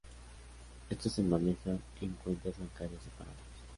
Estos se manejan en cuentas bancarias separadas.